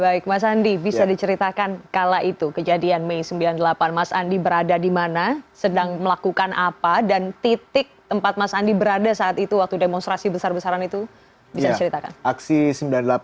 baik mas andi bisa diceritakan kala itu kejadian mei sembilan puluh delapan mas andi berada di mana sedang melakukan apa dan titik tempat mas andi berada saat itu waktu demonstrasi besar besaran itu bisa diceritakan